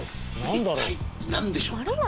一体何でしょうか？